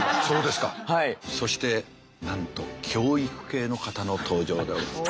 そしてなんと教育系の方の登場でございます。